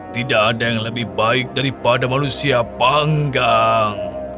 tidak ada yang lebih baik daripada manusia panggang